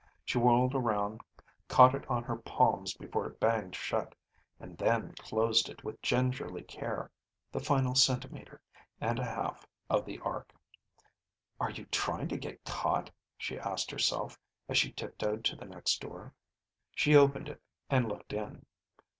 She whirled around, caught it on her palms before it banged shut, and then closed it with gingerly care the final centimeter and a half of the arc. Are you trying to get caught? she asked herself as she tiptoed to the next door. She opened it and looked in.